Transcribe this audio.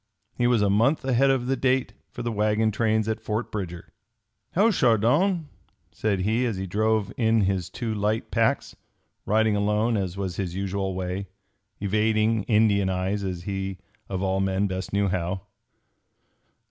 He was a month ahead of the date for the wagon trains at Fort Bridger. "How, Chardon!" said he as he drove in his two light packs, riding alone as was his usual way, evading Indian eyes as he of all men best knew how.